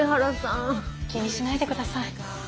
気にしないで下さい。